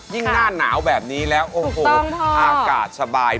หน้าหนาวแบบนี้แล้วโอ้โหอากาศสบาย